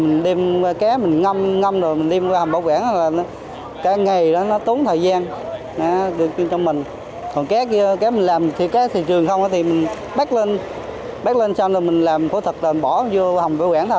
nếu tàuko xuất được bảo vệ tàu lâu nên acknowledged bởi sda